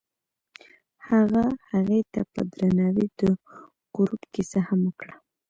هغه هغې ته په درناوي د غروب کیسه هم وکړه.